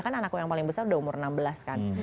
kan anakku yang paling besar udah umur enam belas kan